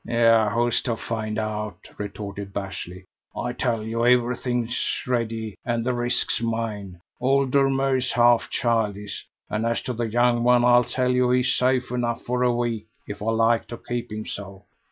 "Yah! who's to find it out?" retorted Bashley; "I tell you everything's ready, and the risk's mine. Old Dormeur's half childish; and as to the young one, I tell you he's safe enough for a week, if I like to keep him so.